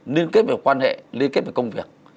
liên kết về quan hệ liên kết với công việc